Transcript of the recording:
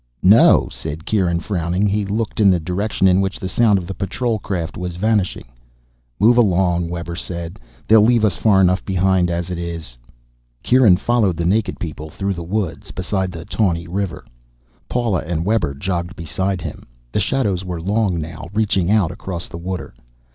"No," said Kieran, frowning. He looked in the direction in which the sound of the patrol craft was vanishing. "Move along," Webber said. "They'll leave us far enough behind as it is." Kieran followed the naked people through the woods, beside the tawny river. Paula and Webber jogged beside him. The shadows were long now, reaching out across the water.